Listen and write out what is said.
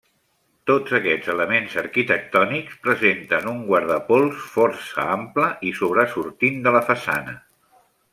Tots aquests elements arquitectònics presenten un guardapols força ample i sobresortint de la façana.